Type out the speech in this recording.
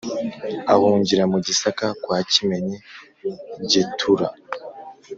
ahungira mu gisaka kwa kimenyi ii getura